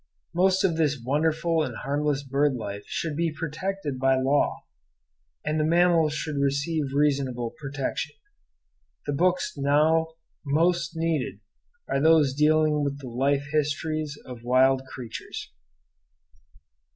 Most of this wonderful and harmless bird life should be protected by law; and the mammals should receive reasonable protection. The books now most needed are those dealing with the life histories of wild creatures.